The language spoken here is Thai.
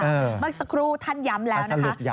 เมื่อสักครู่ท่านย้ำแล้วนะคะ